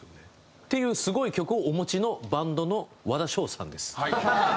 っていうすごい曲をお持ちのバンドの和田唱さんです。